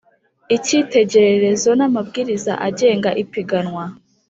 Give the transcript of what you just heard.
ikitegererezo n’ amabwiriza agenga ipiganwa